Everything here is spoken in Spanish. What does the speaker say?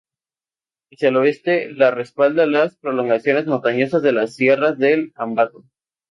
Hacia el oeste, la respalda las prolongaciones montañosas de las Sierras del Ambato.